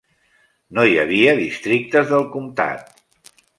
No hi havia districtes del comtat.